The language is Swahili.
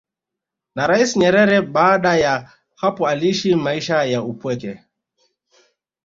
na Rais Nyerere baada ya hapo aliishi maisha ya upweke